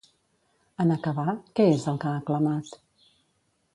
En acabar, què és el que ha aclamat?